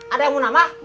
ada yang mau nama